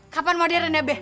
kapan modern ya be